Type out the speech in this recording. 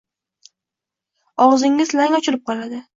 Ogʻzingiz lang ochilib qoladi